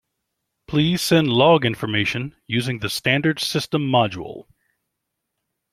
Please send log information using the standard system module.